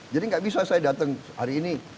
jadi nggak bisa saya datang hari ini